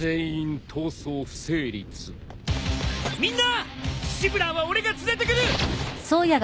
シブラーは俺が連れてくる！